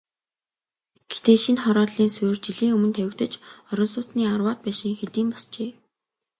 Гэхдээ шинэ хорооллын суурь жилийн өмнө тавигдаж, орон сууцны арваад байшин хэдийн босжээ.